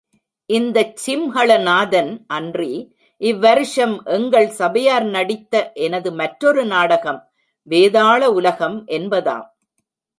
இந்தச் சிம்ஹளநாதன் அன்றி, இவ்வருஷம் எங்கள் சபையார் நடித்த எனது மற்றொரு நாடகம் வேதாள உலகம் என்பதாம்.